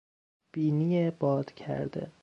بینی باد کرده